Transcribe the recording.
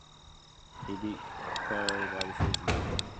He beat Caro by decision.